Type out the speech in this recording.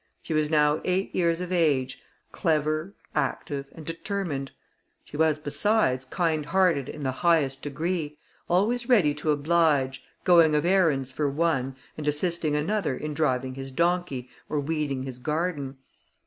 She was now eight years of age, clever, active, and determined: she was, besides, kind hearted in the highest degree, always ready to oblige, going of errands for one, and assisting another in driving his donkey, or weeding his garden.